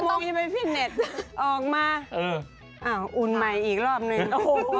โมงจะไปฟิตเน็ตออกมาอุ่นใหม่อีกรอบนึง